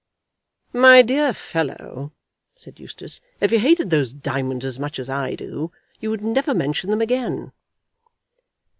"My dear fellow," said Eustace, "if you hated those diamonds as much as I do, you would never mention them again."